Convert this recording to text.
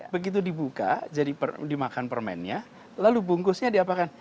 begitu dibuka jadi dimakan permennya lalu bungkusnya diapakan